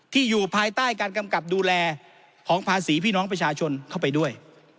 อยู่ภายใต้การกำกับดูแลของภาษีพี่น้องประชาชนเข้าไปด้วย